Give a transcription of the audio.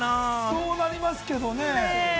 そうなりますけれどもね。